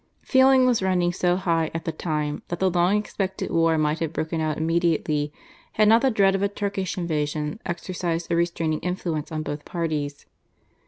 Feeling was running so high at the time that the long expected war might have broken out immediately, had not the dread of a Turkish invasion exercised a restraining influence on both parties.